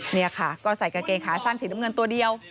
นี่ค่ะก็ใส่กางเกงขาสั้นสีน้ำเงินตัวเดียว